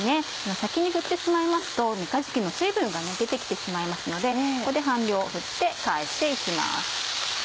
先に振ってしまいますとめかじきの水分が抜けて来てしまいますのでここで半量振って返して行きます。